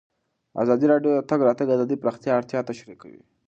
ازادي راډیو د د تګ راتګ ازادي د پراختیا اړتیاوې تشریح کړي.